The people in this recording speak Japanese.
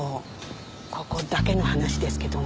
ここだけの話ですけどね。